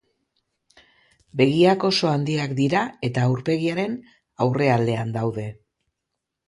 Begiak oso handiak dira eta aurpegiaren aurrealdean daude.